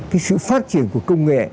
cái sự phát triển của công nghệ